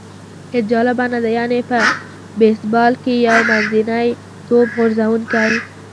هېڅ جالبه نه ده، یعنې په بېسبال کې یو منځنی توپ غورځوونکی.